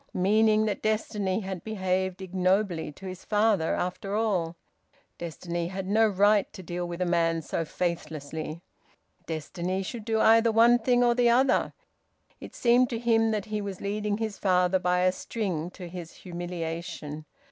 Meaning that destiny had behaved ignobly to his father, after all. Destiny had no right to deal with a man so faithlessly. Destiny should do either one thing or the other. It seemed to him that he was leading his father by a string to his humiliation.